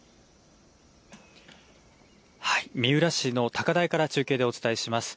三浦市の高台から中継でお伝えします。